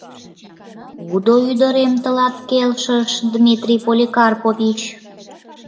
— Кудо ӱдырем тылат келшыш, Дмитрий Поликарпович?